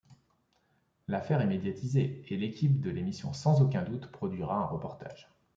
L’affaire est médiatisée, et l’équipe de l’émission Sans aucun doute produira un reportage.